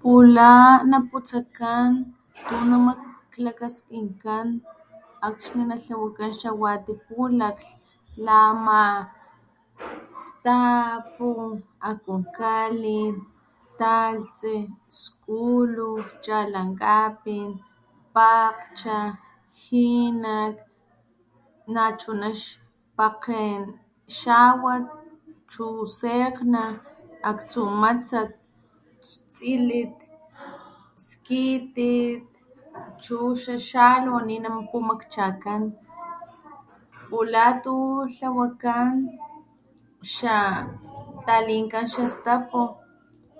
Pula naputsakan tu namaklakaskinkan akxni natlawakan xawati pulaklh, la ama stapu, akunkalin, talhtsi, skulu, chalankapin, pakglhcha, jinak, nachuna xpakgen xawat, chu sekgna, aktsu matsat, tsilit, skitit, chu xaxalu ninapumakchakan. Pula tutlawakan xa talinkan xastapu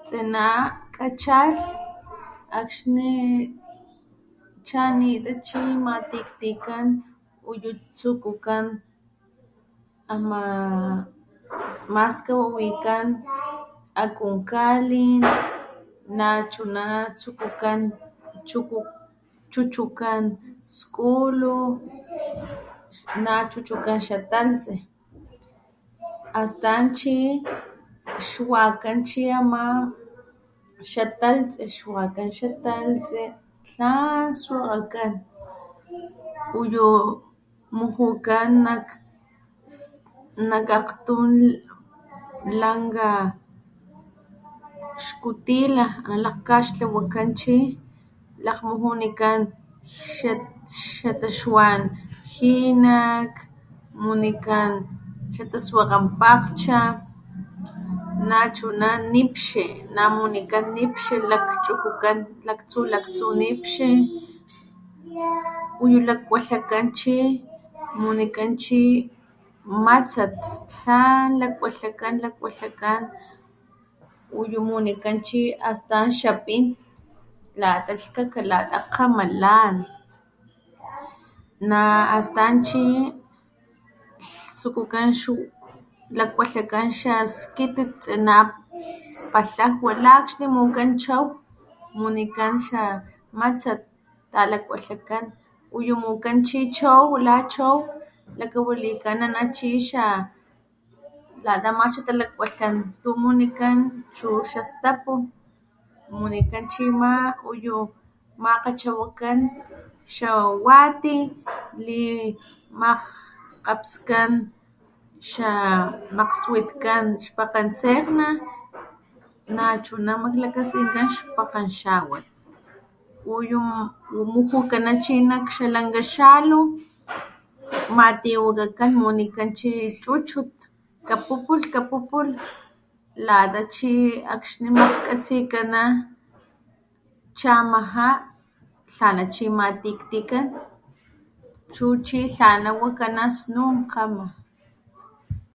tsina kachalh akxni chanita chi matiktikan uyu tsukukan ama maskawawikan akunkalin, nachuna tsukukan chuchukan skulu, nahuchukan xatalhtsi, astan chi xwakan chi ama xatalhtsi xwakan xatalhtsi tlan swakgakan uyu mujukan nak akgtun lanka xkutila ana lakgkgaxtlawakan chi lakmujunikan xataxwan jinak, munikan xataswakgan pakglhcha nachuna nipxi namunikan nipxi lakchukukan laktsu laktsu, nipxi, uyu lakwalhakan chi mujunikan matsat, tlan lakwalhakan, lakwatlakan uyu munikan hastan xapin lata lhaka lata kgama lan, na hastan chi tsukukan lakwalhakan xaskitit tsina palhajwa la akxni mujukan chow, munikan xamatsat talakualhakan uyu mukan chi chow lachow lakawalinikan ana chi xatalakwatlan xastapu munikan chi ama uyu makgachawakan xawati limakgkapskan makswitkan xpakgen sekgna nachuna maklakaskinkan xpakgen xawat uyu mujukan nak xalu matiwakakan mujunikan xachuchut kapupulh kapupulh lata chi akxni makkatsikana akxni chamaja tlana chi matiktikan chu chi tlana wakana snun kgama